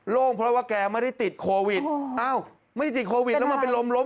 ่งเพราะว่าแกไม่ได้ติดโควิดอ้าวไม่ได้ติดโควิดแล้วมันเป็นลมล้ม